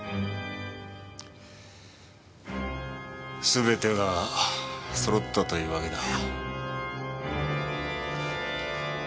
すべてが揃ったというわけだ。